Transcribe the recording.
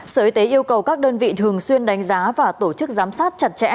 sở y tế yêu cầu các đơn vị thường xuyên đánh giá và tổ chức giám sát chặt chẽ